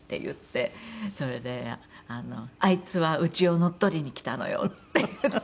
それで「あいつはうちを乗っ取りに来たのよ」って言って。